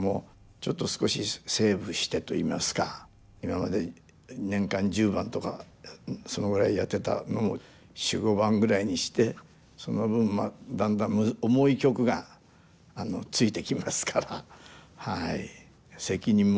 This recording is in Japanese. ちょっと少しセーブしてといいますか今まで年間十番とかそのぐらいやってたのを四五番ぐらいにしてその分まあだんだん重い曲がついてきますからはい責任も重くなるし。